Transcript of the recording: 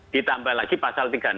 ditambah lagi pasal tiga puluh enam